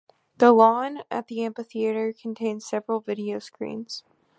The lawn at the amphitheater contains several video screens.